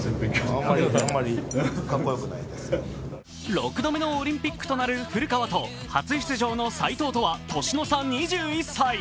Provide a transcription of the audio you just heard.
６度目のオリンピックとなる古川と、初出場の斉藤とは年の差２１歳。